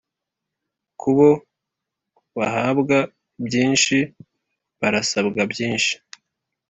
kubo bahabwa byinshi, harasabwa byinshi.